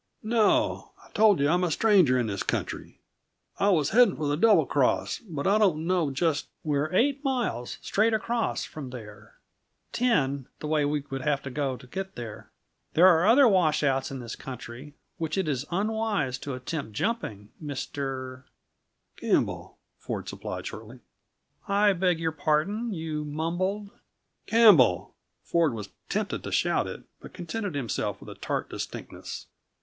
"No. I told you I'm a stranger in this country. I was heading for the Double Cross, but I don't know just " "We're eight miles, straight across, from there; ten, the way we would have to go to get there. There are other washouts in this country which it is unwise to attempt jumping, Mr. " "Campbell," Ford supplied shortly. "I beg your pardon? You mumbled " "Campbell!" Ford was tempted to shout it but contented himself with a tart distinctness.